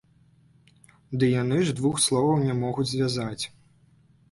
Ды яны ж двух словаў не могуць звязаць!